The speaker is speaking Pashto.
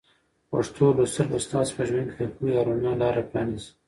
پښتو لوستل به ستاسو په ژوند کې د پوهې او رڼا لاره پرانیزي.